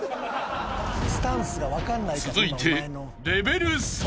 ［続いて］